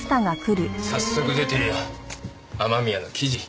早速出てるよ雨宮の記事。